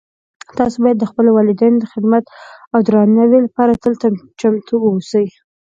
تاسو باید د خپلو والدینو د خدمت او درناوۍ لپاره تل چمتو اوسئ